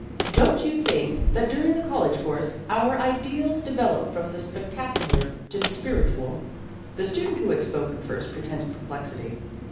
" Don't you think that during the college course our ideals develop from the spectacular to the spiritual ?" The student who had spoken first pre tended perplexity.